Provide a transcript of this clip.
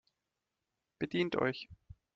Bedient euch!